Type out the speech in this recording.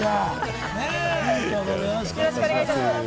よろしくお願いします。